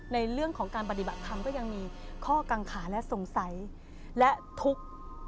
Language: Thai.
ในเรื่องของการปฏิบัติธรรมก็ยังมีข้อกังขาและสงสัยและทุกข์